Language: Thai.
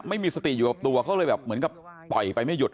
ไม่มีสติอยู่กับตัวเขาเลยแบบเหมือนกับต่อยไปไม่หยุด